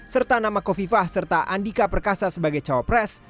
serta nama kofifah serta andika perkasa sebagai cawapres